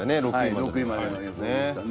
６位までの予想ですね。